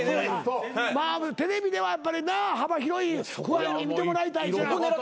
まあテレビではやっぱりな幅広いファンに見てもらいたい。